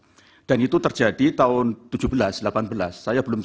jika dari dua belas delapan tahun dan dinyatakan oleh kasihan that s go lebih jauhri ayan muhammad